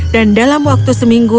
dan dalam waktu seminggu